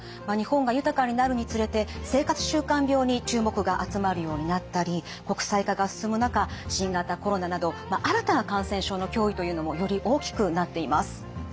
日本が豊かになるにつれて生活習慣病に注目が集まるようになったり国際化が進む中新型コロナなど新たな感染症の脅威というのもより大きくなっています。